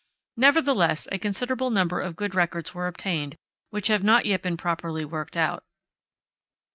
Nevertheless, a considerable number of good records were obtained, which have not yet been properly worked out.